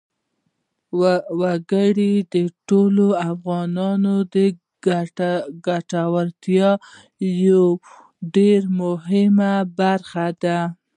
وګړي د ټولو افغانانو د ګټورتیا یوه ډېره مهمه برخه ده.